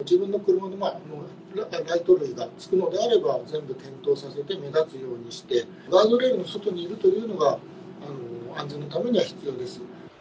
自分の車のライト類がつくのであれば、全部点灯させて、目立つようにして、ガードレールの外にいるというのが、安全のためには必要です。